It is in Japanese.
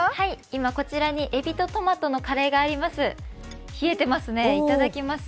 今こちらにえびとトマトのカレーがあります。